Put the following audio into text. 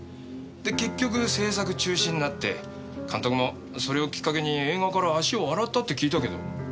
で結局制作中止になって監督もそれをきっかけに映画から足を洗ったって聞いたけど。